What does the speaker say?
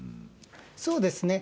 そうですね。